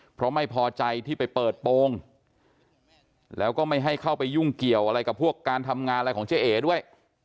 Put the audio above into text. เพราะไม่พอใจที่ไปเปิดโปรงแล้วก็ไม่ให้เข้าไปยุ่งเกี่ยวอะไรกับพวกการทำงานอะไรของเจ๊เอด้วย